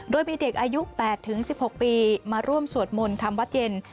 โดยมีเด็กอายุ๘๑๖ปีมาร่วมสวดมนต์ทำวัดเย็น